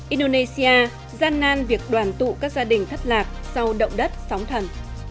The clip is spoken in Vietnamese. indonesia gian nan việc đoàn tụ các gia đình thất lạc sau động đất sóng thần